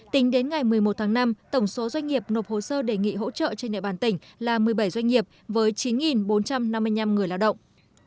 tính đến ngày một mươi một tháng năm tổng số doanh nghiệp nộp hồ sơ đề nghị hỗ trợ trên địa bàn tỉnh là một mươi bảy doanh nghiệp với chín bốn trăm năm mươi năm người lao động